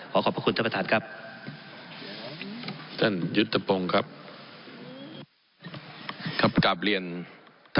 ผมอภิปรายเรื่องการขยายสมภาษณ์รถไฟฟ้าสายสีเขียวนะครับ